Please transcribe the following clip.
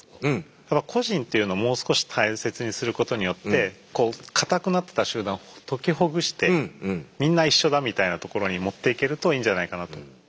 やっぱ個人というのもう少し大切にすることによってこう固くなってた集団を解きほぐしてみんな一緒だみたいなところに持っていけるといいんじゃないかなと。